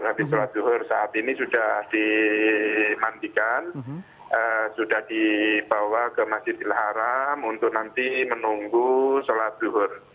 habis sholat duhur saat ini sudah dimantikan sudah dibawa ke masjid ilharam untuk nanti menunggu sholat duhur